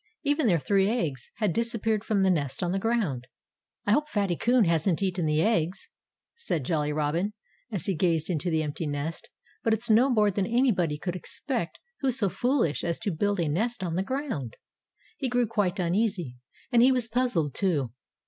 Even their three eggs had disappeared from the nest on the ground. "I hope Fatty Coon hasn't eaten the eggs," said Jolly Robin, as he gazed into the empty nest. "But it's no more than anybody could expect who's so foolish as to build a nest on the ground." He grew quite uneasy. And he was puzzled, too.